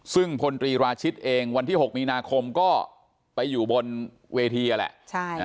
ซึ่งพลตรีราชิตเองวันที่๖มีนาคมก็ไปอยู่บนเวทีนั่นแหละ